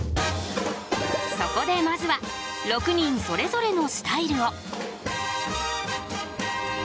そこでまずは６人それぞれのスタイルを。